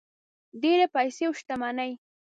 ډېرې پیسې او شتمني.